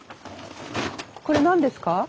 これ何ですか？